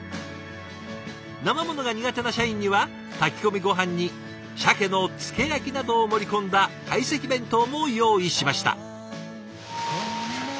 なま物が苦手な社員には炊き込みごはんにシャケの漬け焼きなどを盛り込んだ懐石弁当も用意しました。